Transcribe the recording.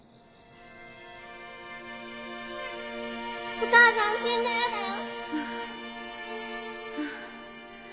お母さん死んじゃ嫌だよ！